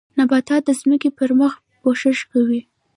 نباتات د ځمکې پر مخ پوښښ کوي